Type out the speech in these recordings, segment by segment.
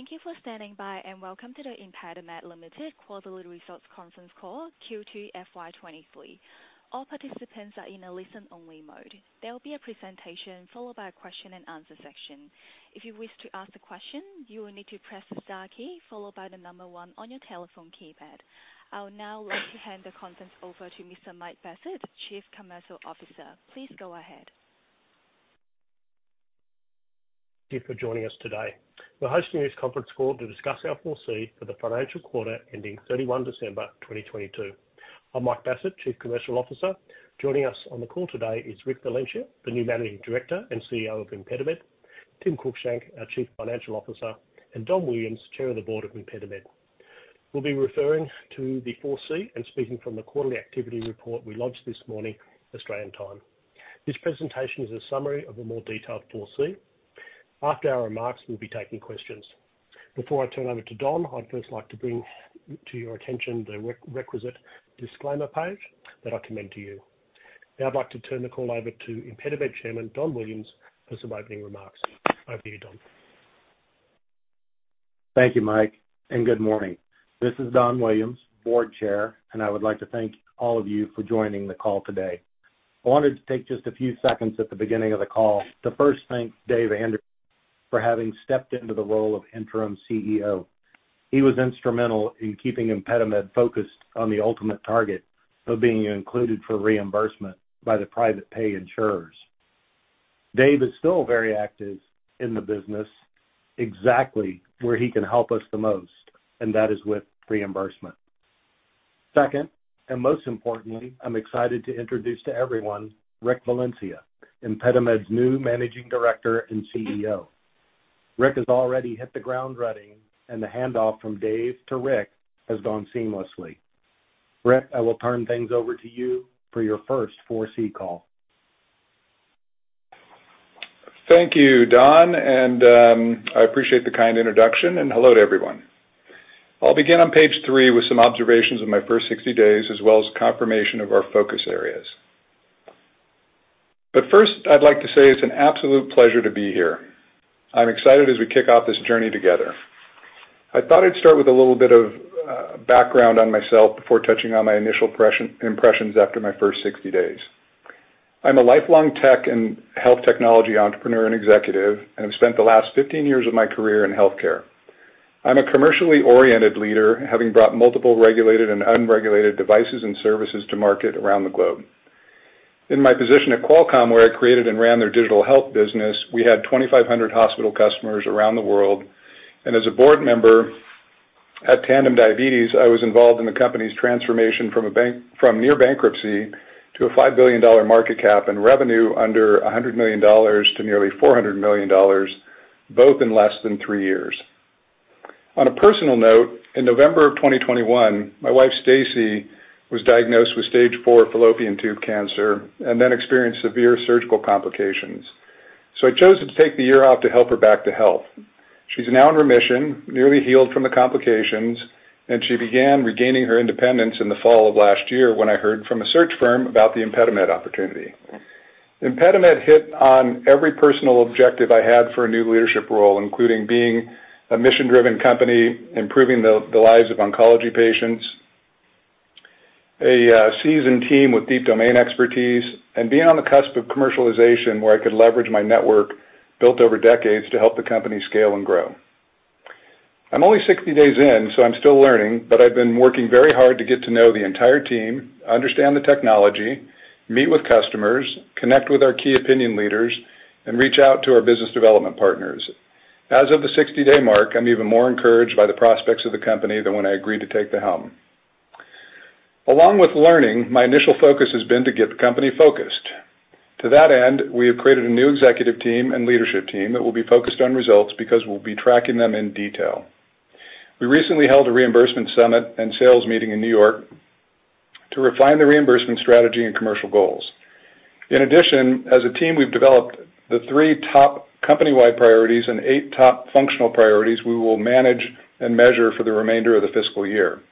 Thank you for standing by. Welcome to the ImpediMed Limited Quarterly Results Conference Call, Q2FY 23. All participants are in a listen-only mode. There will be a presentation followed by a question and answer section. If you wish to ask a question, you will need to press the star key followed by one on your telephone keypad. I would now like to hand the conference over to Mr. Mike Bassett, Chief Commercial Officer. Please go ahead. Thank you for joining us today. We're hosting this conference call to discuss our 4C for the financial quarter ending 31 December 2022. I'm Mike Bassett, Chief Commercial Officer. Joining us on the call today is Richard Valencia, the new Managing Director and CEO of ImpediMed, Tim Cruickshank, our Chief Financial Officer, and Don Williams, Chair of the Board of ImpediMed. We'll be referring to the 4C and speaking from the quarterly activity report we launched this morning, Australian time. This presentation is a summary of a more detailed 4C. After our remarks, we'll be taking questions. Before I turn over to Don, I'd 1st like to bring to your attention the re-requisite disclaimer page that I commend to you. I'd like to turn the call over to ImpediMed Chairman, Don Williams, for some opening remarks. Over to you, Don. Thank you, Mike, and good morning. This is Don Williams, Board Chair, and I would like to thank all of you for joining the call today. I wanted to take just a few seconds at the beginning of the call to 1st thank David Anderson for having stepped into the role of Interim CEO. He was instrumental in keeping ImpediMed focused on the ultimate target of being included for reimbursement by the private pay insurers. Dave is still very active in the business, exactly where he can help us the most, and that is with reimbursement. 2nd, and most importantly, I'm excited to introduce to everyone Richard Valencia, ImpediMed's new Managing Director and CEO. Rick has already hit the ground running, and the handoff from Dave to Rick has gone seamlessly. Rick, I will turn things over to you for your 1st 4C call. Thank you, Don, and I appreciate the kind introduction, and hello to everyone. I'll begin on page three with yes some observations of my 1st 60 days as well as confirmation of our focus areas. First, I'd like to say it's an absolute pleasure to be here. I'm excited as we kick off this journey together. I thought I'd start with a little bit of background on myself before touching on my initial impressions after 1st 60 days. I'm a lifelong tech and health technology entrepreneur and executive and have spent the last 15 years of my career in healthcare. I'm a commercially oriented leader, having brought multiple regulated and unregulated devices and services to market around the globe. In my position at Qualcomm, where I created and ran their digital health business, we had 2,500 hospital customers around the world. As a board member at Tandem Diabetes, I was involved in the company's transformation from near bankruptcy to a $5 billion market cap and revenue under $100 million to nearly $400 million, both in less than three year. On a personal note, in November of 2021, my wife Stacy was diagnosed with stage 4 fallopian tube cancer and then experienced severe surgical complications. I chose to take the year off to help her back to health. She's now in remission, nearly healed from the complications, and she began regaining her independence in the fall of last year when I heard from a search firm about the ImpediMed opportunity. ImpediMed hit on every personal objective I had for a new leadership role, including being a mission-driven company, improving the lives of oncology patients, a seasoned team with deep domain expertise, and being on the cusp of commercialization, where I could leverage my network built over decades to help the company scale and grow. I'm only 60 days in, so I'm still learning, but I've been working very hard to get to know the entire team, understand the technology, meet with customers, connect with our key opinion leaders, and reach out to our business development partners. As of the 60-day mark, I'm even more encouraged by the prospects of the company than when I agreed to take the helm. Along with learning, my initial focus has been to get the company focused. To that end, we have created a new executive team and leadership team that will be focused on results because we'll be tracking them in detail. We recently held a reimbursement summit and sales meeting in New York to refine the reimbursement strategy and commercial goals. In addition, as a team, we've developed the three top company-wide priorities and eight top functional priorities we will manage and measure for the remainder of the fiscal year.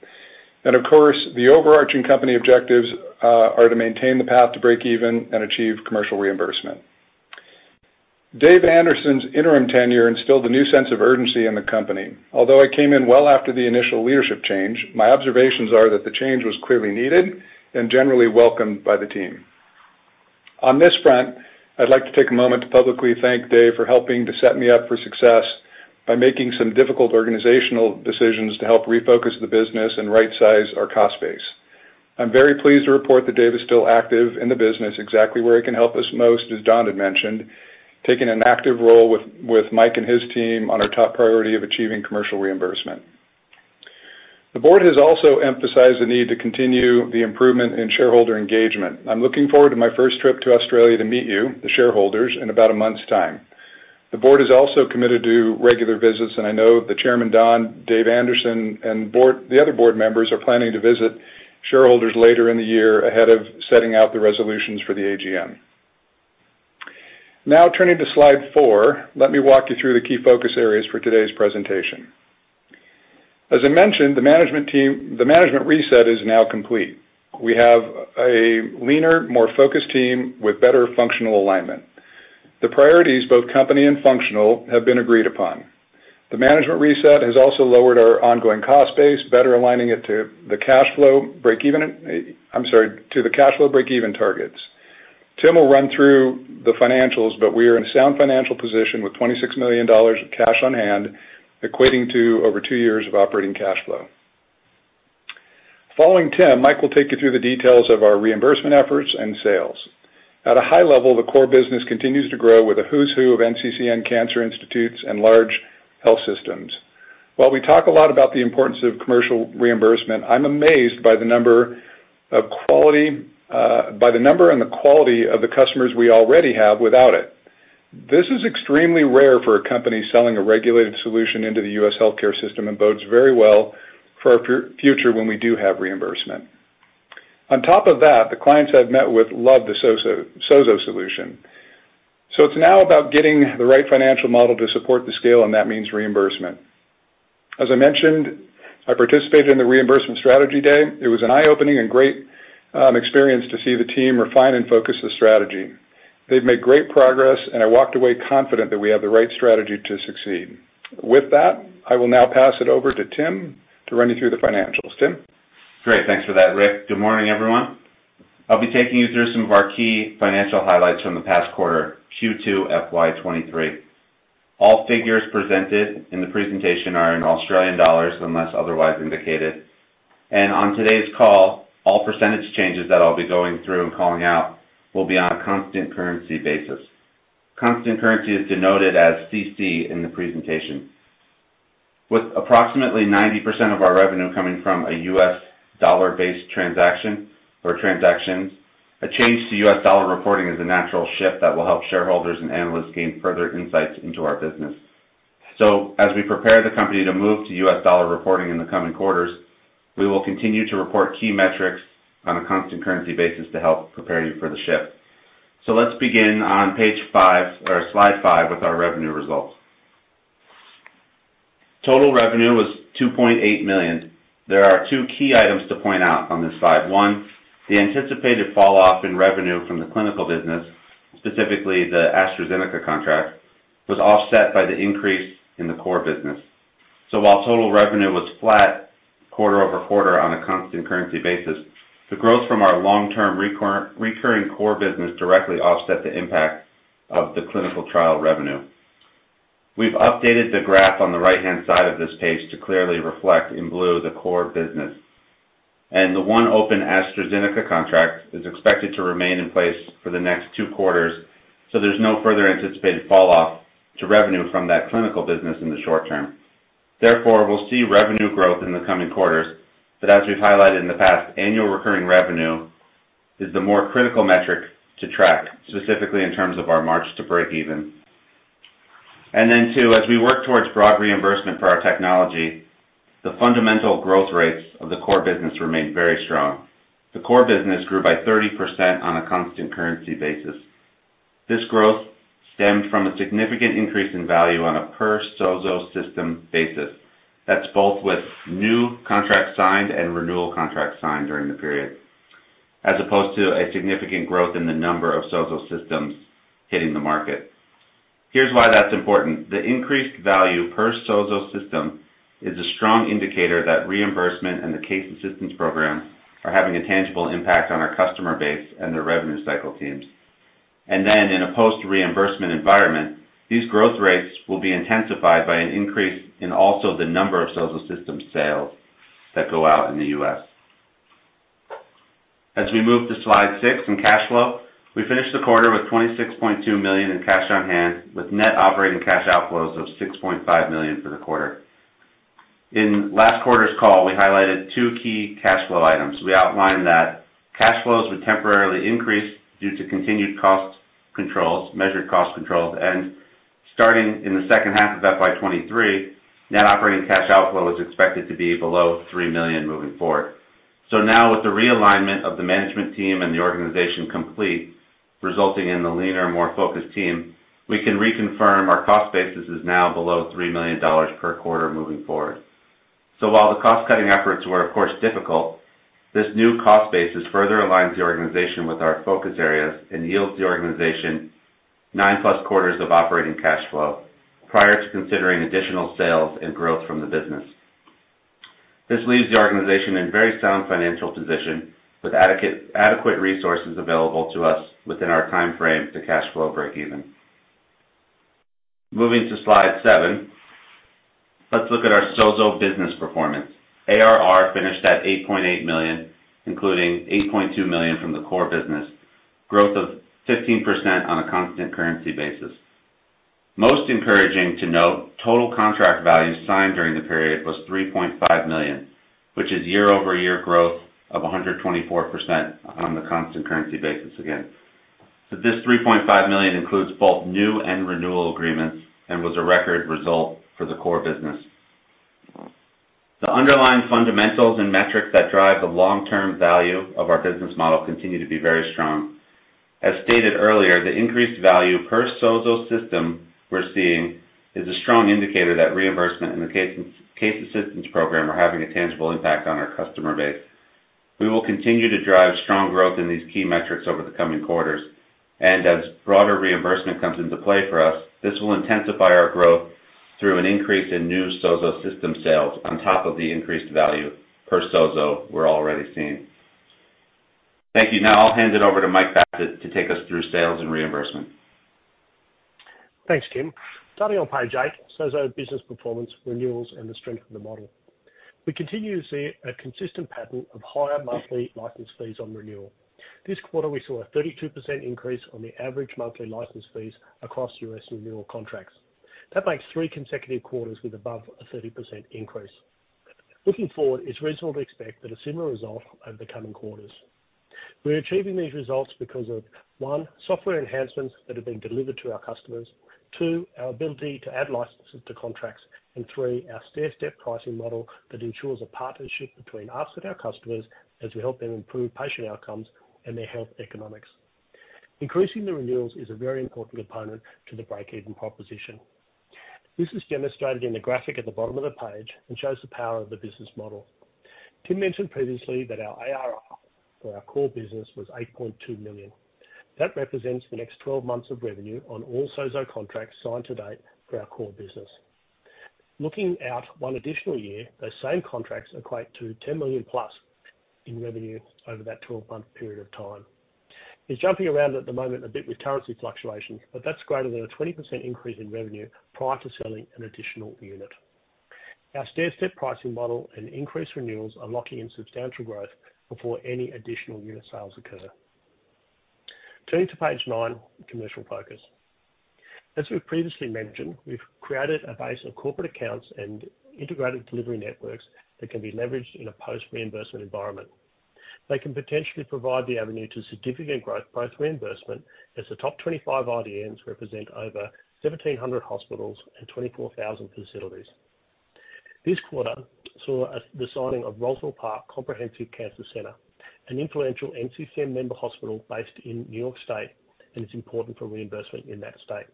Of course, the overarching company objectives are to maintain the path to break even and achieve commercial reimbursement. Dave Anderson's interim tenure instilled a new sense of urgency in the company. Although I came in well after the initial leadership change, my observations are that the change was clearly needed and generally welcomed by the team. On this front, I'd like to take a moment to publicly thank Dave for helping to set me up for success by making some difficult organizational decisions to help refocus the business and right-size our cost base. I'm very pleased to report that Dave is still active in the business exactly where he can help us most, as Don had mentioned, taking an active role with Mike and his team on our top priority of achieving commercial reimbursement. The board has also emphasized the need to continue the improvement in shareholder engagement. I'm looking forward to my 1st trip to Australia to meet you, the shareholders, in about 1 month's time. The board is also committed to regular visits, and I know that Chairman Don, Dave Anderson, and board... The other board members are planning to visit shareholders later in the year ahead of setting out the resolutions for the AGM. Now, turning to slide four, let me walk you through the key focus areas for today's presentation. As I mentioned, the management reset is now complete. We have a leaner, more focused team with better functional alignment. The priorities, both company and functional, have been agreed upon. The management reset has also lowered our ongoing cost base, better aligning it to the cash flow break-even targets. Tim will run through the financials, but we are in a sound financial position with $26 million of cash on hand, equating to over two years of operating cash flow. Following Tim, Mike will take you through the details of our reimbursement efforts and sales. At a high level, the core business continues to grow with a who's who of NCCN Cancer Institutes and large health systems. While we talk a lot about the importance of commercial reimbursement, I'm amazed by the number and the quality of the customers we already have without it. This is extremely rare for a company selling a regulated solution into the U.S. healthcare system, and bodes very well for our future when we do have reimbursement. On top of that, the clients I've met with love the SOZO solution. It's now about getting the right financial model to support the scale, and that means reimbursement. As I mentioned, I participated in the reimbursement strategy day. It was an eye-opening and great experience to see the team refine and focus the strategy. They've made great progress, and I walked away confident that we have the right strategy to succeed. With that, I will now pass it over to Tim to run you through the financials. Tim? Great. Thanks for that, Rick. Good morning, everyone. I'll be taking you through some of our key financial highlights from the past quarter, Q2 FY 2023. All figures presented in the presentation are in Australian dollars, unless otherwise indicated. On today's call, all percentage changes that I'll be going through and calling out will be on a constant currency basis. Constant currency is denoted as CC in the presentation. With approximately 90% of our revenue coming from a U.S. dollar-based transaction or transactions, a change to U.S. dollar reporting is a natural shift that will help shareholders and analysts gain further insights into our business. As we prepare the company to move to U.S. dollar reporting in the coming quarters, we will continue to report key metrics on a constant currency basis to help prepare you for the shift. Let's begin on page/slide five with our revenue results. Total revenue was $2.8 million. There are two key items to point out on this slide. 1the anticipated falloff in revenue from the clinical business, specifically the AstraZeneca contract, was offset by the increase in the core business. While total revenue was flat quarter-over-quarter on a constant currency basis, the growth from our long-term recurring core business directly offset the impact of the clinical trial revenue. We've updated the graph on the right-hand side of this page to clearly reflect in blue the core business. And the one open AstraZeneca contract is expected to remain in place for the next two quarters, so there's no further anticipated falloff to revenue from that clinical business in the short term. We'll see revenue growth in the coming quarters that as we've highlighted in the past, annual recurring revenue is the more critical metric to track, specifically in terms of our march to breakeven. two, as we work towards broad reimbursement for our technology, the fundamental growth rates of the core business remain very strong. The core business grew by 30% on a constant currency basis. This growth stemmed from a significant increase in value on a per SOZO system basis. That's both with new contracts signed and renewal contracts signed during the period, as opposed to a significant growth in the number of SOZO systems hitting the market. Here's why that's important. The increased value per SOZO system is a strong indicator that reimbursement and the Case Assistance Programs are having a tangible impact on our customer base and their revenue cycle teams. In a post reimbursement environment, these growth rates will be intensified by an increase in also the number of SOZO system sales that go out in the U.S. As we move to slide six for my cash flow, we finished the quarter with $26.2 million in cash on hand, with net operating cash outflows of $6.5 million for the quarter. In last quarter's call, we highlighted two key cash flow items. We outlined that cash flows would temporarily increase due to continued cost controls, measured cost controls, and starting in the 2nd half of FY 2023, net operating cash outflow is expected to be below $3 million moving forward. With the realignment of the management team and the organization complete, resulting in the leaner, more focused team, we can reconfirm our cost basis is now below $3 million per quarter moving forward. While the cost-cutting efforts were of course difficult, this new cost basis further aligns the organization with our focus areas and yields the organization 9+ quarters of operating cash flow prior to considering additional sales and growth from the business. This leaves the organization in very sound financial position with adequate resources available to us within our timeframe to cash flow breakeven. Moving to slide seven, let's look at our SOZO business performance. ARR finished at $8.8 million, including $8.2 million from the core business, growth of 15% on a constant currency basis. Most encouraging to note, total contract value signed during the period was $3.5 million, which is year-over-year growth of 124% on the constant currency basis again. This $3.5 million includes both new and renewal agreements and was a record result for the core business. The underlying fundamentals and metrics that drive the long-term value of our business model continue to be very strong. As stated earlier, the increased value per SOZO system we're seeing is a strong indicator that reimbursement in the Case Assistance Program are having a tangible impact on our customer base. We will continue to drive strong growth in these key metrics over the coming quarters, and as broader reimbursement comes into play for us, this will intensify our growth through an increase in new SOZO system sales on top of the increased value per SOZO we're already seeing. Thank you. Now I'll hand it over to Mike Bassett to take us through sales and reimbursement. Thanks, Tim. Starting on page eight, SOZO business performance, renewals, and the strength of the model. We continue to see a consistent pattern of higher monthly license fees on renewal. This quarter, we saw a 32% increase on the average monthly license fees across U.S. renewal contracts. That makes three consecutive quarters with above a 30% increase. Looking forward, it's reasonable to expect that a similar result over the coming quarters. We're achieving these results because of, one, software enhancements that have been delivered to our customers. Two, our ability to add licenses to contracts. Three, our stair-step pricing model that ensures a partnership between us and our customers as we help them improve patient outcomes and their health economics. Increasing the renewals is a very important component to the break-even proposition. This is demonstrated in the graphic at the bottom of the page and shows the power of the business model. Tim mentioned previously that our ARR for our core business was $8.2 million. That represents the next 12 months of revenue on all SOZO contracts signed to date for our core business. Looking out one additional year, those same contracts equate to $10 million+ in revenue over that 12-month period of time. It's jumping around at the moment a bit with currency fluctuations, but that's greater than a 20% increase in revenue prior to selling an additional unit. Our stair-step pricing model and increased renewals are locking in substantial growth before any additional unit sales occur. Turning to page nine, commercial focus. As we've previously mentioned, we've created a base of corporate accounts and Integrated Delivery Networks that can be leveraged in a post-reimbursement environment. They can potentially provide the avenue to significant growth, post reimbursement, as the top 25 IDNs represent over 1,700 hospitals and 24,000 facilities. This quarter saw the signing of Roswell Park Comprehensive Cancer Center, an influential NCCN member hospital based in New York State, and it's important for reimbursement in that state.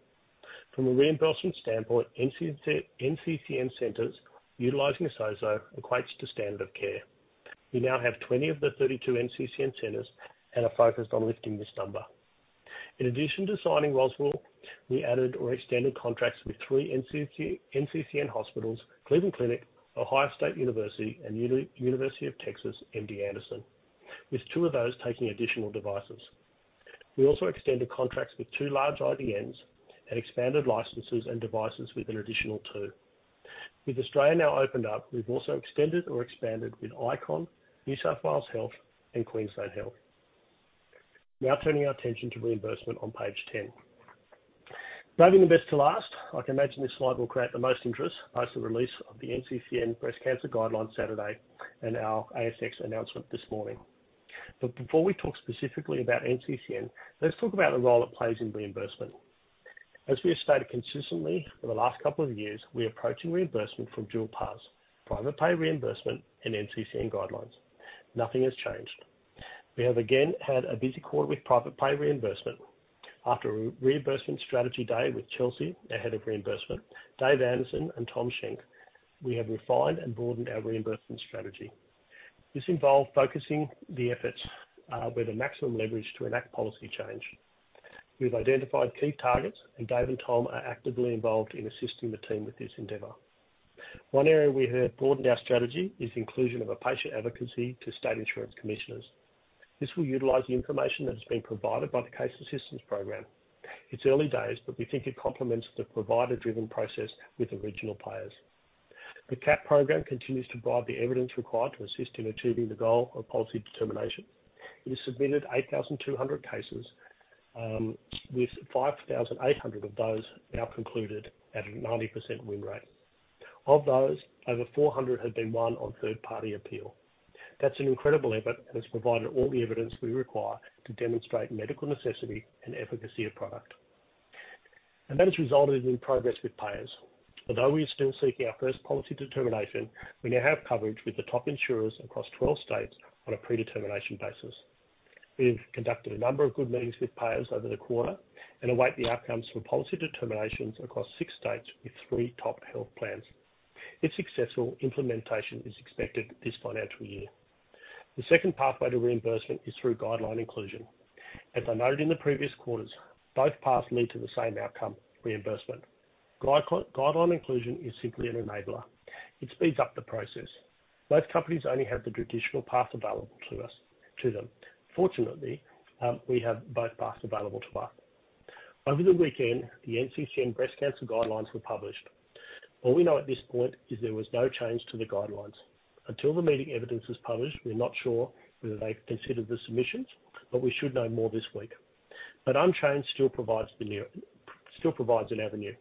From a reimbursement standpoint, NCCN centers utilizing a SOZO equates to standard of care. We now have 20 of the 32 NCCN centers and are focused on lifting this number. In addition to signing Roswell, we added or extended contracts with three NCCN hospitals, Cleveland Clinic, Ohio State University, and University of Texas MD Anderson, with two of those taking additional devices. We also extended contracts with two large IDNs and expanded licenses and devices with an additional two. With Australia now opened up, we've also extended or expanded with Icon, New South Wales Health, and Queensland Health. Turning our attention to reimbursement on page 10. Saving the best to last, I can imagine this slide will create the most interest post the release of the NCCN breast cancer guidelines Saturday and our ASX announcement this morning. Before we talk specifically about NCCN, let's talk about the role it plays in reimbursement. As we have stated consistently for the last couple of years, we're approaching reimbursement from dual paths: private pay reimbursement and NCCN guidelines. Nothing has changed. We have again had a busy quarter with private pay reimbursement. After a reimbursement strategy day with Chelsea, our head of reimbursement, Dave Anderson and Tom Schenk, we have refined and broadened our reimbursement strategy. This involved focusing the efforts where the maximum leverage to enact policy change. We've identified key targets and Dave and Tom are actively involved in assisting the team with this endeavor. One area we have broadened our strategy is inclusion of a patient advocacy to state insurance commissioners. This will utilize the information that has been provided by the Case Assistance Program. It's early days, but we think it complements the provider-driven process with original payers. The CAP program continues to provide the evidence required to assist in achieving the goal of policy determination. We submitted 8,200 cases, with 5,800 of those now concluded at a 90% win rate. Of those, over 400 have been won on 3rd-party appeal. That's an incredible effort and has provided all the evidence we require to demonstrate medical necessity and efficacy of product. That has resulted in progress with payers. Although we are still seeking our 1st policy determination, we now have coverage with the top insurers across 12 states on a predetermination basis. We've conducted a number of good meetings with payers over the quarter and await the outcomes from policy determinations across six states with three top health plans. If successful, implementation is expected this financial year. The 2nd pathway to reimbursement is through guideline inclusion. As I noted in the previous quarters, both paths lead to the same outcome, reimbursement. Guideline inclusion is simply an enabler. It speeds up the process. Both companies only have the traditional path available to them. Fortunately, we have both paths available to us. Over the weekend, the NCCN breast cancer guidelines were published. All we know at this point is there was no change to the guidelines. Until the meeting evidence is published, we're not sure whether they've considered the submissions, but we should know more this week. Unchanged still provides an avenue.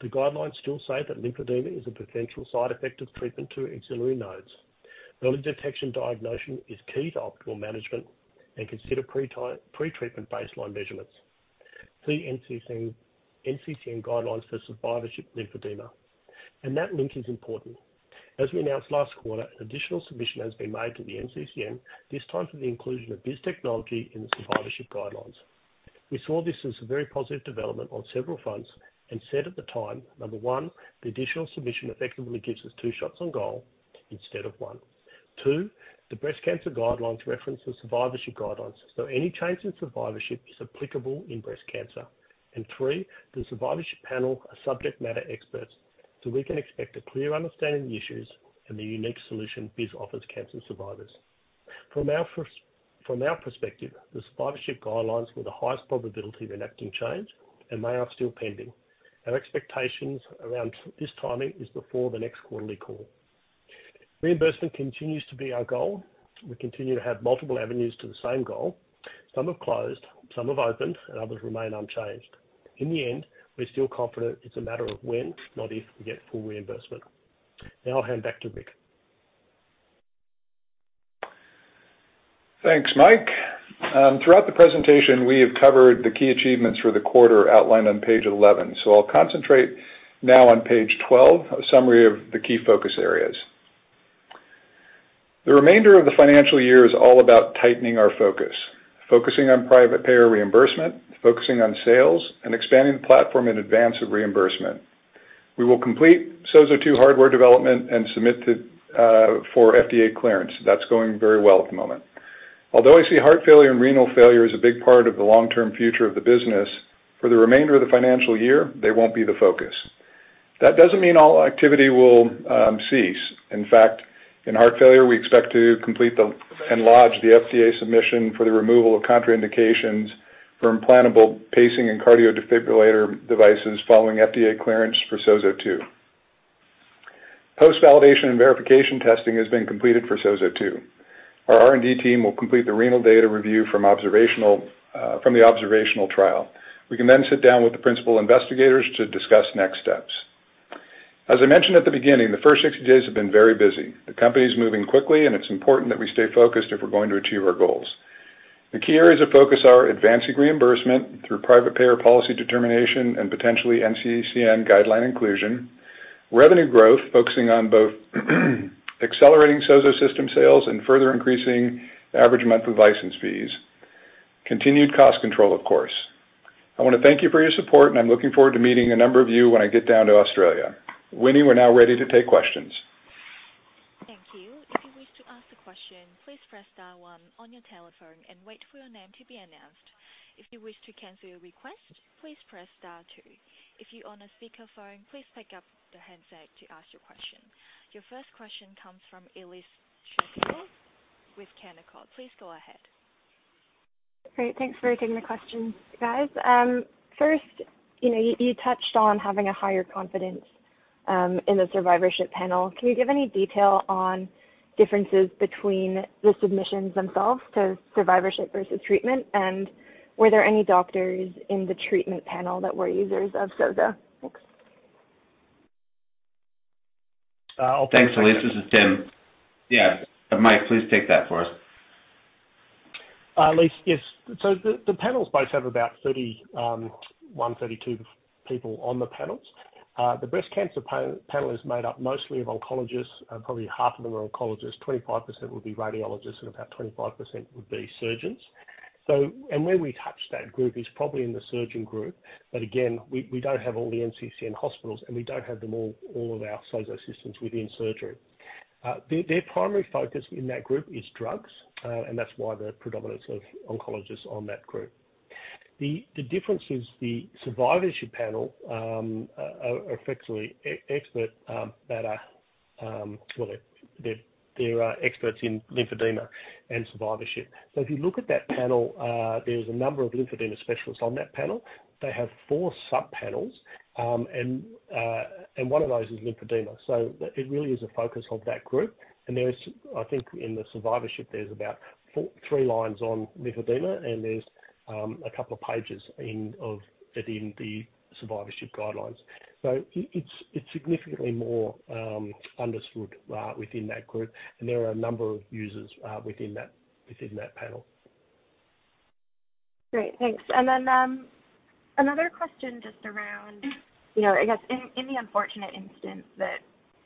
The guidelines still say that lymphedema is a potential side effect of treatment to axillary nodes. Early detection diagnosis is key to optimal management and consider pretreatment baseline measurements. See NCCN guidelines for survivorship lymphedema. That link is important. As we announced last quarter, an additional submission has been made to the NCCN, this time for the inclusion of this technology in the survivorship guidelines. We saw this as a very positive development on several fronts and said at the time, number one, the additional submission effectively gives us two shots on goal instead of one, two, the breast cancer guidelines reference the survivorship guidelines, so any change in survivorship is applicable in breast cancer. Three, the survivorship panel are subject matter experts, so we can expect a clear understanding of the issues and the unique solution BIS offers cancer survivors. From our perspective, the survivorship guidelines were the highest probability of enacting change, and they are still pending. Our expectations around this timing is before the next quarterly call. Reimbursement continues to be our goal. We continue to have multiple avenues to the same goal. Some have closed, some have opened, and others remain unchanged. In the end, we're still confident it's a matter of when, not if, we get full reimbursement. Now I'll hand back to Rick. Thanks, Mike. Throughout the presentation, we have covered the key achievements for the quarter outlined on page 11. I'll concentrate now on page 12, a summary of the key focus areas. The remainder of the financial year is all about tightening our focus, focusing on private payer reimbursement, focusing on sales, and expanding the platform in advance of reimbursement. We will complete SOZO 2 hardware development and submit it for FDA clearance. That's going very well at the moment. Although I see heart failure and renal failure as a big part of the long-term future of the business, for the remainder of the financial year, they won't be the focus. That doesn't mean all activity will cease. In fact, in heart failure, we expect to complete and lodge the FDA submission for the removal of contraindications for implantable pacing and cardio defibrillator devices following FDA clearance for SOZO 2. Post-validation and verification testing has been completed for SOZO 2. Our R&D team will complete the renal data review from the observational trial. We can sit down with the principal investigators to discuss next steps. As I mentioned at the beginning, the 1st 60 days have been very busy. The company is moving quickly, and it's important that we stay focused if we're going to achieve our goals. The key areas of focus are advancing reimbursement through private payer policy determination and potentially NCCN guideline inclusion, revenue growth, focusing on both accelerating SOZO system sales and further increasing average monthly license fees. Continued cost control, of course. I wanna thank you for your support, and I'm looking forward to meeting a number of you when I get down to Australia. Winnie, we're now ready to take questions. Thank you. If you wish to ask a question, please press star one on your telephone and wait for your name to be announced. If you wish to cancel your request, please press star two. If you're on a speakerphone, please pick up the handset to ask your question. Your 1st question comes from Elise Schafer with Canaccord. Please go ahead. Great. Thanks for taking the questions, guys. First, you know, you touched on having a higher confidence in the survivorship panel. Can you give any detail on differences between the submissions themselves to survivorship versus treatment? Were there any doctors in the treatment panel that were users of SOZO? Thanks. Uh, I'll take- Thanks, Elise. This is Tim. Yeah. Mike, please take that for us. Elise, yes. The panels both have about 30, 132 people on the panels. The breast cancer panel is made up mostly of oncologists. Probably half of them are oncologists. 25% would be radiologists, and about 25% would be surgeons. Where we touch that group is probably in the surgeon group. Again, we don't have all the NCCN hospitals, and we don't have them all of our SOZO systems within surgery. Their primary focus in that group is drugs, that's why the predominance of oncologists on that group. The difference is the survivorship panel are effectively expert that are... Well, they're experts in lymphedema and survivorship. If you look at that panel, there's a number of lymphedema specialists on that panel. They have four subpanels, and one of those is lymphedema. It really is a focus of that group. There is, I think in the survivorship, there's about four, three lines on lymphedema, and there's a couple of pages in of, within the survivorship guidelines. It, it's significantly more understood within that group, and there are a number of users within that panel. Great. Thanks. Another question just around, you know, I guess in the unfortunate instance that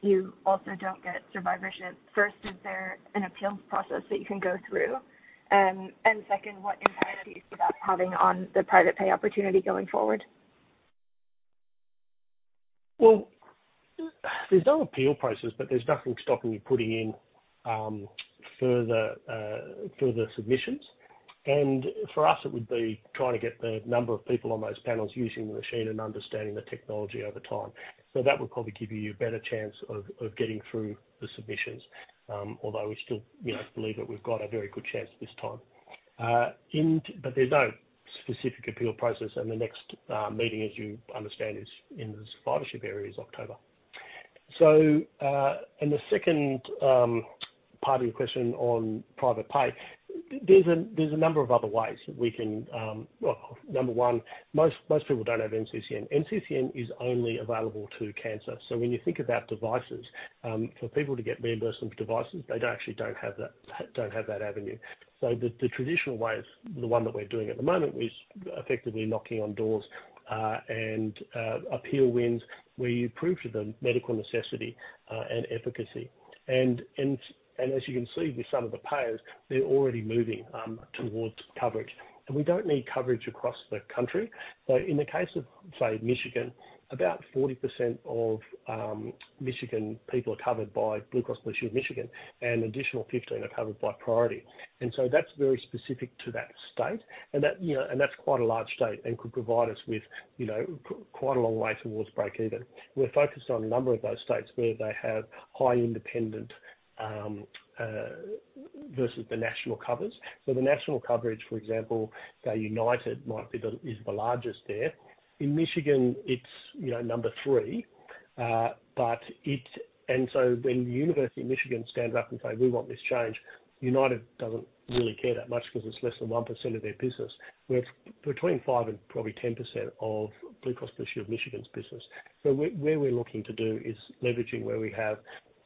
you also don't get survivorship, 1st, is there an appeals process that you can go through? 2nd, what impact are you still having on the private pay opportunity going forward? Well, there's no appeal process, but there's nothing stopping you putting in, further submissions. For us, it would be trying to get the number of people on those panels using the machine and understanding the technology over time. That would probably give you a better chance of getting through the submissions, although we still, you know, believe that we've got a very good chance this time. There's no specific appeal process, and the next meeting, as you understand, is in the survivorship area is October. The 2nd part of your question on private pay, there's a, there's a number of other ways that we can... Well, number one, most people don't have NCCN. NCCN is only available to cancer. When you think about devices, for people to get reimbursed on devices, they don't actually have that avenue. The, the traditional way is the one that we're doing at the moment is effectively knocking on doors, and appeal wins, where you prove to the medical necessity and efficacy. As you can see with some of the payers, they're already moving towards coverage. We don't need coverage across the country. In the case of, say, Michigan, about 40% of Michigan people are covered by Blue Cross Blue Shield of Michigan, and additional 15 are covered by Priority. That's very specific to that state, and that, you know, and that's quite a large state and could provide us with, you know, quite a long way towards break even. We're focused on a number of those states where they have high independent, versus the national covers. The national coverage, for example, say United might be the, is the largest there. In Michigan, it's, you know, number three, but when the University of Michigan stands up and say, "We want this change," United doesn't really care that much because it's less than 1% of their business. We're between 5% and probably 10% of Blue Cross Blue Shield of Michigan's business. Where we're looking to do is leveraging where we have,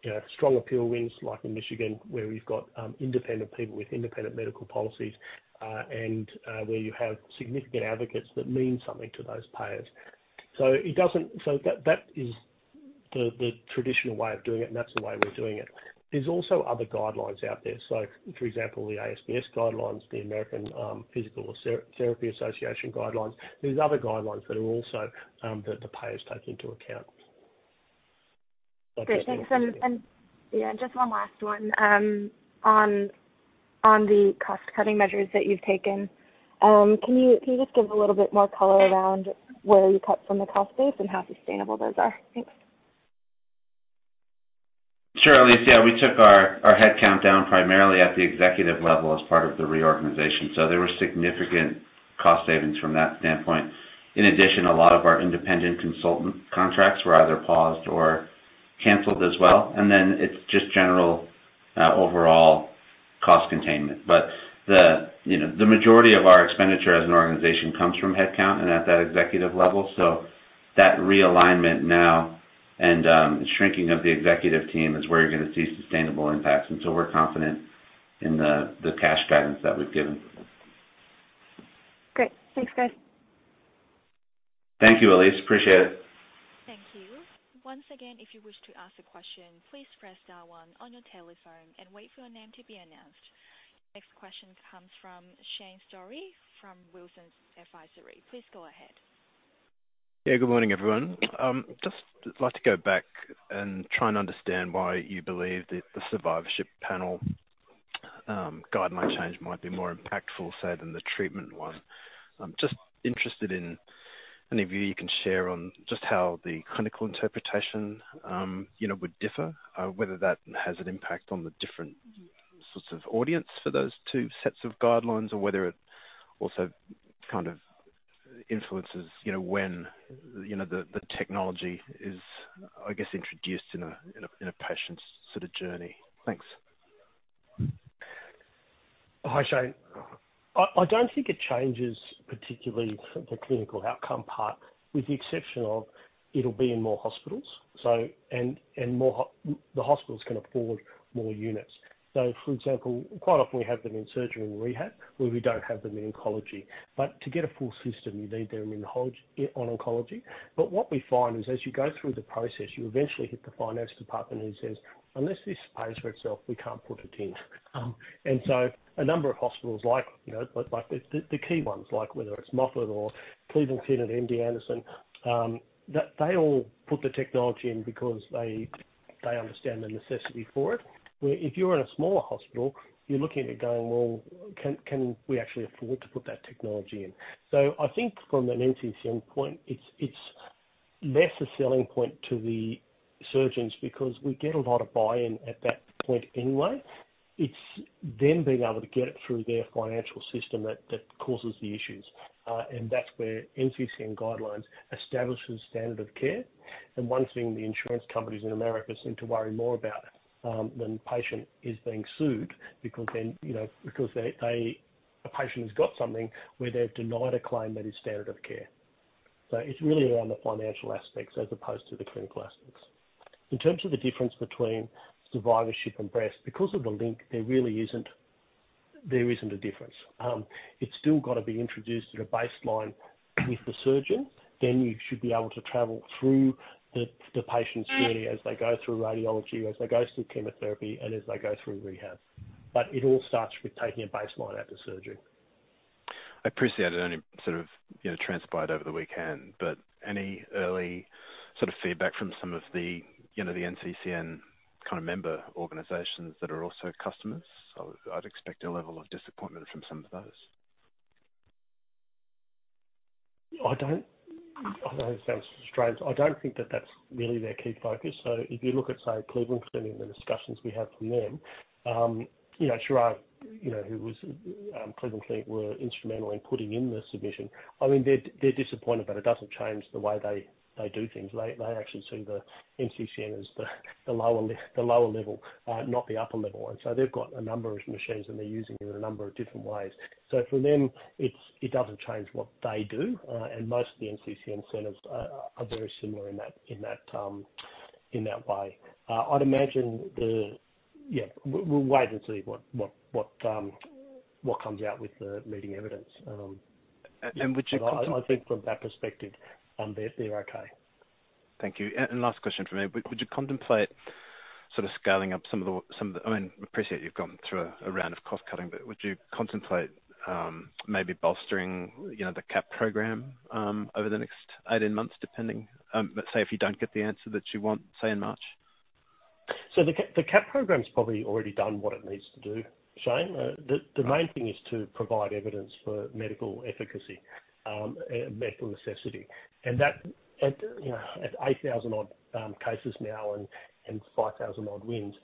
you know, strong appeal wins, like in Michigan, where we've got, independent people with independent medical policies, and where you have significant advocates that mean something to those payers. It doesn't... That is the traditional way of doing it, and that's the way we're doing it. There's also other guidelines out there. For example, the ASBS guidelines, the American Physical Therapy Association guidelines. There's other guidelines that are also that the payers take into account. Great. Thanks. Yeah, just one last one. On the cost-cutting measures that you've taken, can you just give a little bit more color around where you cut from the cost base and how sustainable those are? Thanks. Sure, Elise. Yeah. We took our head count down primarily at the executive level as part of the reorganization. There were significant cost savings from that standpoint. In addition, a lot of our independent consultant contracts were either paused or canceled as well. It's just general overall cost containment. The, you know, the majority of our expenditure as an organization comes from headcount and at that executive level. That realignment now and shrinking of the executive team is where you're gonna see sustainable impacts. We're confident in the cash guidance that we've given. Great. Thanks, guys. Thank you, Elise. Appreciate it. Thank you. Once again, if you wish to ask a question, please press star one on your telephone and wait for your name to be announced. Next question comes from Shane Storey from Wilsons Advisory. Please go ahead. Yeah, good morning, everyone. Just like to go back and try and understand why you believe that the survivorship panel, guideline change might be more impactful, say, than the treatment one. I'm just interested in any view you can share on just how the clinical interpretation, you know, would differ, whether that has an impact on the different sorts of audience for those two sets of guidelines or whether it also kind of influences, you know, when, you know, the technology is, I guess, introduced in a, in a, in a patient's sort of journey? Thanks. Hi, Shane. I don't think it changes particularly the clinical outcome part with the exception of it'll be in more hospitals. And more the hospitals can afford more units. For example, quite often we have them in surgery and rehab, where we don't have them in oncology. To get a full system, you need them on oncology. What we find is as you go through the process, you eventually hit the finance department who says, "Unless this pays for itself, we can't put it in." And so a number of hospitals like, you know, like the key ones, like whether it's Moffitt or Cleveland Clinic, MD Anderson, that they all put the technology in because they understand the necessity for it. Where if you're in a smaller hospital, you're looking at it going, "Well, can we actually afford to put that technology in?" I think from an NCCN point, it's less a selling point to the surgeons because we get a lot of buy-in at that point anyway. It's them being able to get it through their financial system that causes the issues. That's where NCCN guidelines establishes standard of care. One thing the insurance companies in America seem to worry more about when patient is being sued because then, you know, because they, a patient has got something where they've denied a claim that is standard of care. It's really around the financial aspects as opposed to the clinical aspects. In terms of the difference between survivorship and breast, because of the link, there really isn't a difference. It's still gotta be introduced at a baseline with the surgeon. You should be able to travel through the patient's journey as they go through radiology, as they go through chemotherapy, and as they go through rehab. It all starts with taking a baseline after surgery. I appreciate it only sort of, you know, transpired over the weekend. Any early sort of feedback from some of the, you know, the NCCN kind of member organizations that are also customers? I'd expect a level of disappointment from some of those. I don't, I know it sounds strange. I don't think that that's really their key focus. If you look at, say, Cleveland Clinic and the discussions we have from them, you know, Chirag, you know, who was Cleveland Clinic, were instrumental in putting in the submission. I mean, they're disappointed, but it doesn't change the way they do things. They actually see the NCCN as the lower level, not the upper level. They've got a number of machines, and they're using it in a number of different ways. For them, it doesn't change what they do. Most of the NCCN centers are very similar in that way. I'd imagine the... Yeah, we'll wait and see what comes out with the meeting evidence. Would you I think from that perspective, they're okay. Thank you. Last question from me. Would you contemplate sort of scaling up some of the, some of the... I mean, appreciate you've gone through a round of cost-cutting, but would you contemplate, maybe bolstering, you know, the CAP program, over the next 18 months, depending, say, if you don't get the answer that you want, say in March? The CAP program's probably already done what it needs to do, Shane Storey. The main thing is to provide evidence for medical efficacy, and medical necessity. That, and, you know, at 8,000 odd cases now and 5,000 odd wins,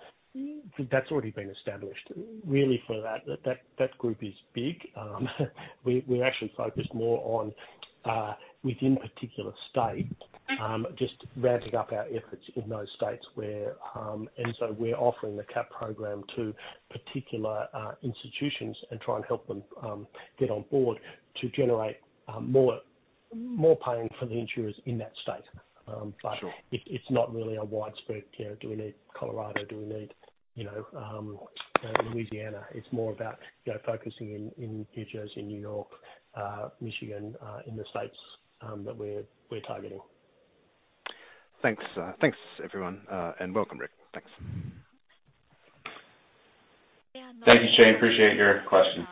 that's already been established. Really for that group is big. We're actually focused more on within particular states, just ramping up our efforts in those states where. We're offering the CAP program to particular institutions and try and help them get on board to generate more, more paying for the insurers in that state. Sure. it's not really a widespread, you know, do we need Colorado? Do we need, you know, you know, Louisiana. It's more about, you know, focusing in New Jersey, New York, Michigan, in the States, that we're targeting. Thanks, thanks, everyone, and welcome, Rick. Thanks. Thank you, Shane. Appreciate your question.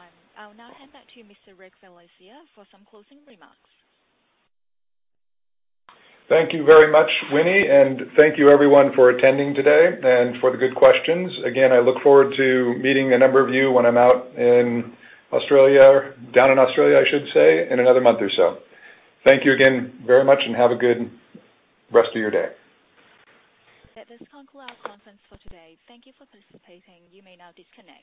I'll now hand back to you, Mr. Richard Valencia, for some closing remarks. Thank you very much, Winnie. Thank you everyone for attending today and for the good questions. Again, I look forward to meeting a number of you when I'm out in Australia, down in Australia, I should say, in another month or so. Thank you again very much and have a good rest of your day. That does conclude our conference for today. Thank you for participating. You may now disconnect.